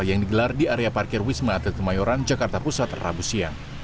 yang digelar di area parkir wisma atlet kemayoran jakarta pusat rabu siang